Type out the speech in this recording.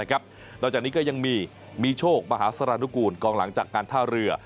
นอกจากนี้ก็ยังมีมีโชคมหาสารนุกูลกองหลังจากการท่าเรือ